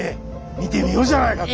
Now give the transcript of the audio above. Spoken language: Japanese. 見てみようじゃないかと。